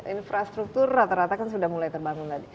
infrastruktur rata rata kan sudah mulai terbangun tadi